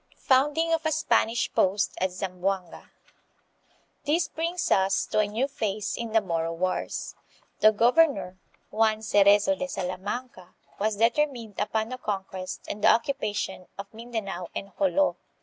Founding of a Spanish Post at Zarriboanga. This brings us to a new phase in the Moro wars. The gover nor, Juan Cerezo de Salamanca, was determined upon the conquest and the occupation of Mindanao and Jolo.